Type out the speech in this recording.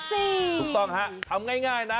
ถูกต้องฮะทำง่ายนะ